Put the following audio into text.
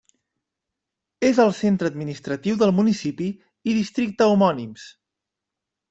És el centre administratiu del municipi i districte homònims.